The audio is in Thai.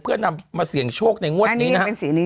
เพื่อนำมาเสี่ยงโชคในงวดนี้นะครับ